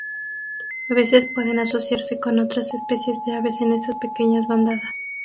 A veces pueden asociarse con otras especies de aves en estas pequeñas bandadas.